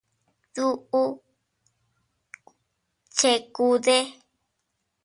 ¿Duʼu chekude?